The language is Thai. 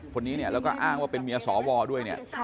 คนนี้เนี่ยแล้วก็อ้างว่าเป็นเมียสวด้วยเนี่ย